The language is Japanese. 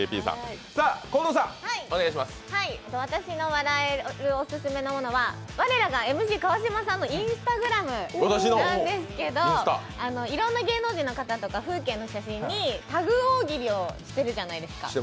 私の笑えるオススメのものは我らがＭＣ・川島さんのＩｎｓｔａｇｒａｍなんですけど、いろんな芸能人の方とか風景の写真にタグ大喜利をしてるじゃないですか。